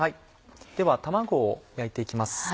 では卵を焼いて行きます。